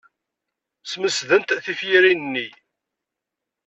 Smesdent tiferyin-nni.